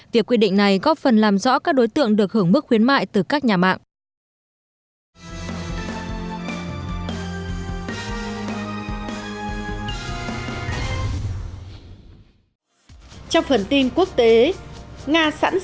việc quy định này góp phần làm rõ các đối tượng được hưởng mức khuyến mại từ các nhà mạng